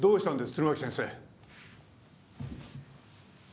弦巻先生